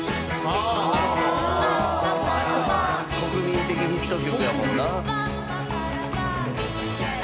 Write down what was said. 「国民的ヒット曲やもんな」